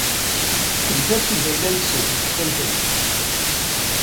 Fkemt-asen-d ayla-nsen ttxil-kent.